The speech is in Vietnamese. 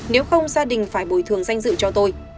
nếu không gia đình phải bồi thường danh dự cho tôi